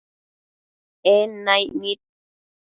En naic nid